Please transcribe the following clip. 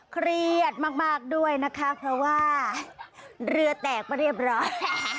สะเลียดมากด้วยนะคะเพราะว่าเทคแล้วเรือแตกแล้วเรียบร้อย